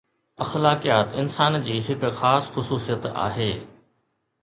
اخلاقيات انسان جي هڪ خاص خصوصيت آهي.